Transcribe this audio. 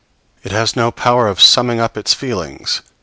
It has no power of summing up its feelings.